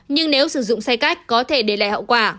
nhưng nếu sử dụng xe cách có thể để lại hậu quả